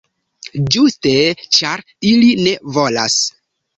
Ĝuste ĉar ili ne volas.